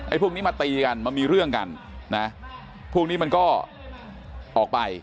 พวกนี้มาตีกันมามีเรื่องกันนะพวกนี้มันก็ออกไป